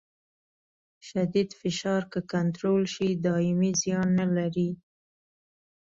شدید فشار که کنټرول شي دایمي زیان نه لري.